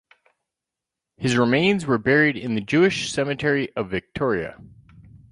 His remains were buried in the Jewish Cemetery of Victoria.